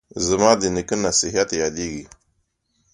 زما د نیکه نصیحت یادیږي